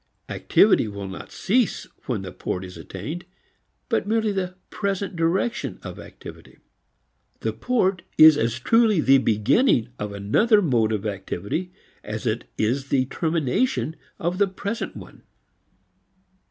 Activity will not cease when the port is attained, but merely the present direction of activity. The port is as truly the beginning of another mode of activity as it is the termination of the present one.